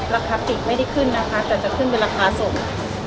ราคาพลิกไม่ได้ขึ้นจะขึ้นเป็นราคาส่ง